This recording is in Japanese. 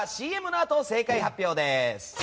ＣＭのあと、正解発表です。